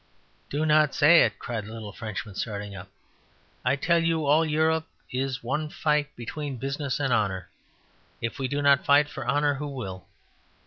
"Do not say it," cried the little Frenchman, starting up. "I tell you all Europe is one fight between business and honour. If we do not fight for honour, who will?